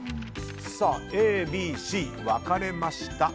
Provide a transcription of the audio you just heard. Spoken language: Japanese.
Ａ、Ｂ、Ｃ分かれました。